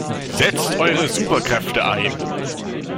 Setzt eure Superkräfte ein!